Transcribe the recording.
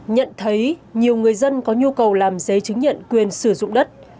nhận thấy nhiều người dân có nhu cầu làm giấy chứng nhận quyền sử dụng đất